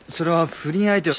不倫相手！？